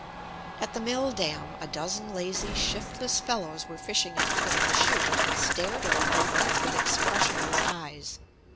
At the mill dam, a dozen lazy, shiftless fellows were fishing at the foot of the chute, and stared at our movements with expressionless eyes.